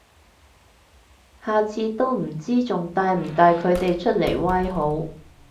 下次都唔知仲帶唔帶佢哋出嚟威好